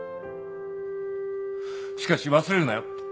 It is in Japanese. しかし忘れるなよ。